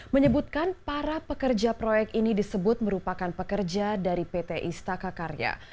menyebutkan para pekerja proyek ini disebut merupakan pekerja dari pt istaka karya